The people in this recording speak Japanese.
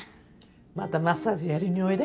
またマッサージやりにおいで。